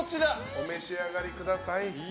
お召し上がりください。